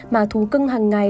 mà thú cưng hằng ngày